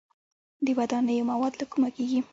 د ودانیو مواد له کومه کیږي؟